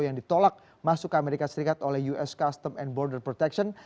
yang ditolak masuk ke amerika serikat oleh us custom and border protection